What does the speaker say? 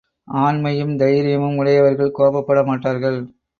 ஆண்மையும் தைரியமும் உடையவர்கள் கோபப்பட மாட்டார்கள்!